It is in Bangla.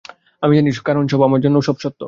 আমি জানি সব, কারন এসব আমার জন্যও সত্য।